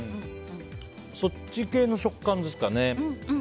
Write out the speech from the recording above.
そっち系の食感ですかね。